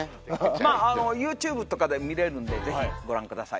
まあＹｏｕＴｕｂｅとかで見れるんでぜひご覧ください